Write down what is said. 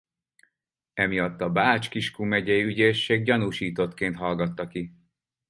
Emiatt a Bács-Kiskun megyei ügyészség gyanúsítottként hallgatta ki.